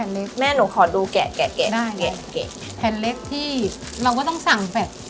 แผ่นเล็กแม่หนูขอดูแกะแกะได้แผ่นเล็กที่เราก็ต้องสั่งแบบ